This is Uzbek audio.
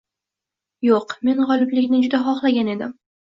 Yoʻq, men gʻoliblikni juda xohlagan edim